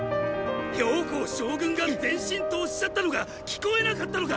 公将軍が前進とおっしゃったのが聞こえなかったのか！！